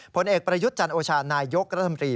ผลเอกประยุทธ์จันโอชานายยกรัฐมนตรี